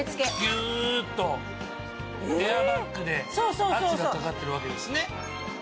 ギューっとエアバッグで圧がかかっているわけですね。